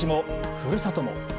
ふるさとも。